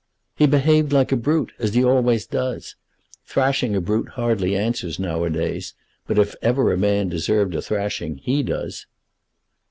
"He behaved like a brute; as he always does. Thrashing a brute hardly answers nowadays, but if ever a man deserved a thrashing he does."